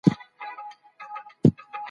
کليسا اختلاف نه منله.